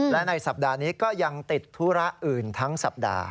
และในสัปดาห์นี้ก็ยังติดธุระอื่นทั้งสัปดาห์